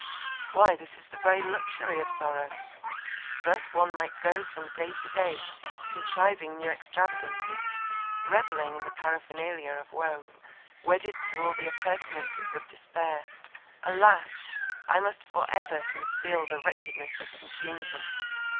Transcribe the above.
Why this is the very luxury of sorrow! thus one might go on from day to day contriving new extravagances, revelling in the paraphernalia of woe, wedded to all the appurtenances of despair. Alas! I must for ever conceal the wretchedness that consumes me.